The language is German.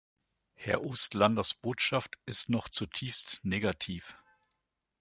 Herr Oostlanders Botschaft ist noch zutiefst negativ.